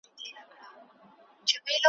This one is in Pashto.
د الله تعالی پر ستر قدرت باندي دلالت کوي.